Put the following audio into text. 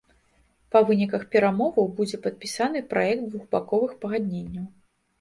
Па выніках перамоваў будзе падпісаны пакет двухбаковых пагадненняў.